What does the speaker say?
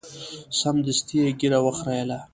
سمدستي یې ږیره وخریله.